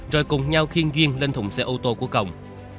rồi cùng nhau khiên duyên lên thùng xe ô tô của công